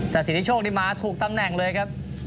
แต่สิทธิโชคนี่มาถูกตำแหน่งเลยครับ